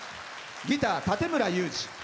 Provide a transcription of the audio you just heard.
ギター、館村雄二。